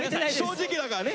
正直だからね。